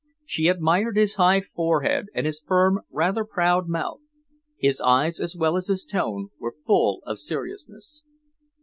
She admired his high forehead and his firm, rather proud mouth. His eyes as well as his tone were full of seriousness.